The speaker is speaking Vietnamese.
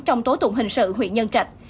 trong tố tụng hình sự huyện nhân trạch